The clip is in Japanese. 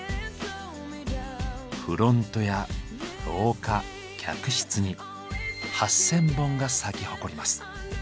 フロントや廊下客室に８０００本が咲き誇ります。